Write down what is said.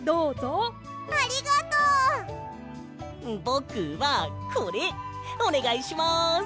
ぼくはこれおねがいします。